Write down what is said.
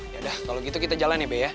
yaudah kalo gitu kita jalan ya beh ya